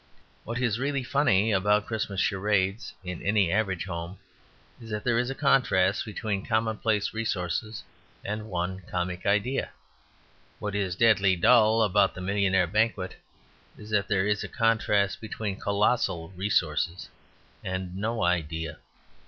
What is really funny about Christmas charades in any average home is that there is a contrast between commonplace resources and one comic idea. What is deadly dull about the millionaire banquets is that there is a contrast between colossal resources and no idea.